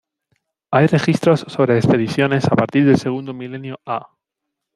Hay registros sobre expediciones a partir del segundo milenio a.